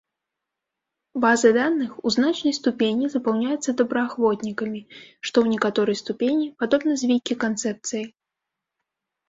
База даных у значнай ступені запаўняецца добраахвотнікамі, што ў некаторай ступені падобна з вікі-канцэпцыяй.